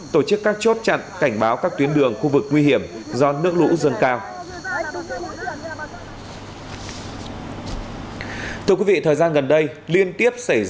tổ chức các chốt chặn cảnh báo các tuyến đường khu vực nguy hiểm do nước lũ dâng cao